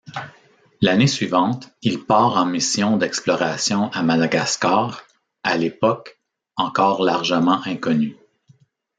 L'année suivante, il part en mission d'exploration à Madagascar, à l'époque, encore largement inconnue.